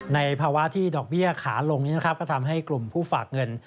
ในภาวะที่ดอกเบี้ยขาลงนี้นะครับก็ทำให้กลุ่มผู้ฝากเงิน